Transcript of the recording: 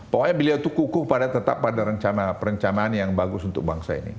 pokoknya beliau itu kukuh pada tetap pada rencana perencanaan yang bagus untuk bangsa ini